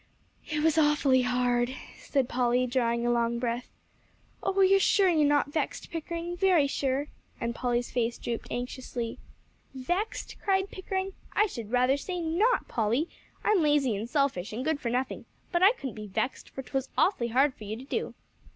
"It was awfully hard," said Polly, drawing a long breath. "Oh, are you sure you are not vexed, Pickering? Very sure?" And Polly's face drooped anxiously. "Vexed?" cried Pickering. "I should rather say not! Polly, I'm lazy and selfish, and good for nothing; but I couldn't be vexed, for 'twas awfully hard for you to do."